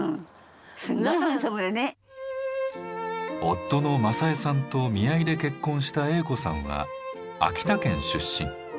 夫の政衛さんと見合いで結婚した栄子さんは秋田県出身。